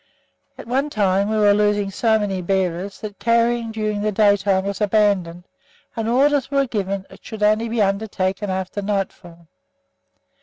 At one time we were losing so many bearers, that carrying during the day time was abandoned, and orders were given that it should only be undertaken after night fall.